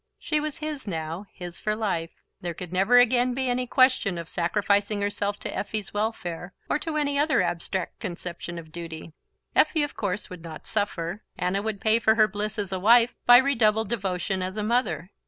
She was his now, his for life: there could never again be any question of sacrificing herself to Effie's welfare, or to any other abstract conception of duty. Effie of course would not suffer; Anna would pay for her bliss as a wife by redoubled devotion as a mother.